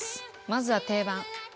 まずは定番。